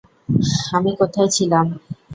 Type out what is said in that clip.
আমি কোথাই ছিলাম?